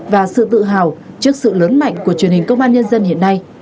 và sự tự hào trước sự lớn mạnh của truyền hình công an nhân dân hiện nay